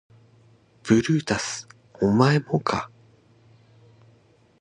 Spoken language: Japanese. ブルータスお前もか